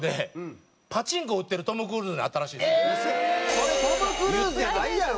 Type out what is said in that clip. それトム・クルーズやないやろ。